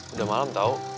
udah malem tau